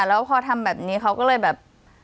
แล้วพอทำแบบนี้เขาก็เลยแบบ